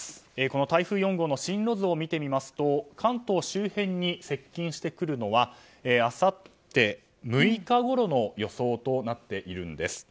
この台風４号の進路図を見てみますと関東周辺に接近してくるのはあさって６日ごろの予想となっているんです。